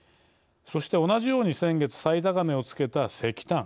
そして同じように先月最高値をつけた石炭。